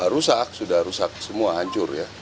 rusak sudah rusak semua hancur ya